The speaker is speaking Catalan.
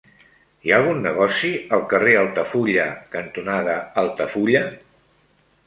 Hi ha algun negoci al carrer Altafulla cantonada Altafulla?